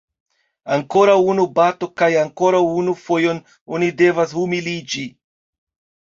Ankoraŭ unu bato kaj ankoraŭ unu fojon oni devas humiliĝi.